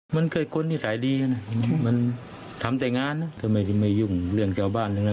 มันเคยคนนิสัยดีนะมันทำแต่งานนะก็ไม่ได้ไม่ยุ่งเรื่องชาวบ้านเลยนะ